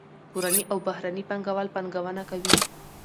کورني او بهرني پانګه وال پانګونه کوي.